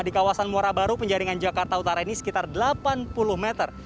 di kawasan muara baru penjaringan jakarta utara ini sekitar delapan puluh meter